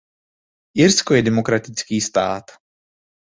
Irsko je demokratický stát.